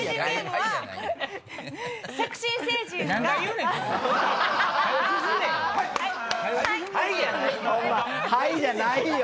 「はい！」じゃないよ！